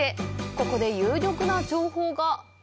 ここで有力な情報が。